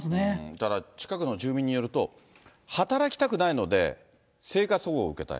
だから、近くの住民によると、働きたくないので、生活保護を受けたい。